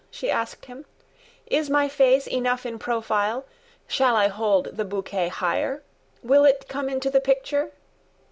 she asked him. "Is my face enough in profile? Shall I hold the bouquet higher? Will it came into the picture?"